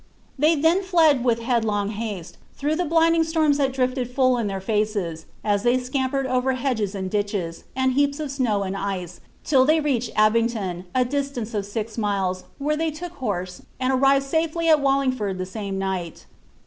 They then fled with headlong haste, through the blindin? storms that drifted full in their faces, as they scampered over hedges and ditches, and heaps of snow and ice, till they reached Abington, a dis tance of six miles, where they took horse, and arrived safely at Wal linfford the same night.'